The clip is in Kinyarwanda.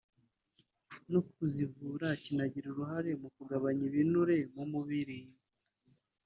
no kuzivura kinagira uruhare mu kugabanya ibinure mu mubiri